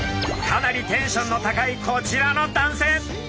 かなりテンションの高いこちらの男性。